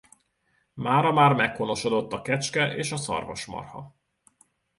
Mára már meghonosodott a kecske és a szarvasmarha.